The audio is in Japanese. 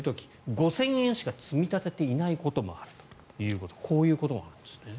５０００円しか積み立てていないこともあるということでこういうことがあるんですね。